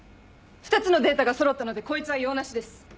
２つのデータがそろったのでこいつは用なしです。